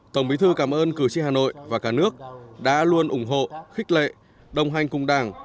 tổng bí thư cảm ơn cử tri hà nội và cả nước đã luôn ủng hộ khích lệ đồng hành cùng đảng